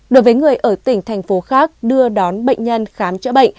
đối với người ở tỉnh thành phố khác đưa đón bệnh nhân khám chữa bệnh